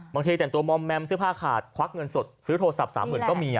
บางทีแต่งตัวมอมแมมเสื้อผ้าขาดควักเงินสดซื้อโทรศัพท์๓๐๐๐ก็มี